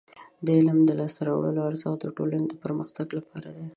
د علم د لاسته راوړنو ارزښت د ټولنې د پرمختګ لپاره دی.